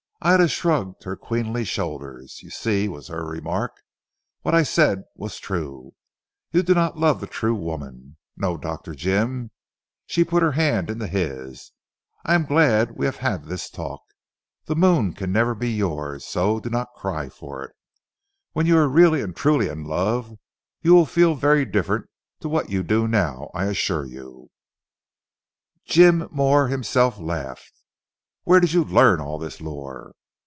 Ida shrugged her queenly shoulders. "You see," was her remark, "what I said was true. You do not love the true woman. No, Dr. Jim," she put her hand into his, "I am glad we have had this talk. The moon can never be yours, so do not cry for it. When you are really and truly in love, you will feel very different to what you do now I assure you." Jim more himself, laughed. "Where did you learn all this lore?"